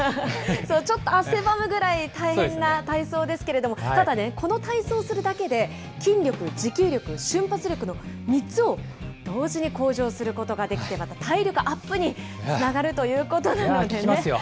ちょっと汗ばむくらい大変な体操ですけれども、ただね、この体操をするだけで、筋力、持久力、瞬発力の３つを同時に向上することができて、また体力アップにつながるということなのでね。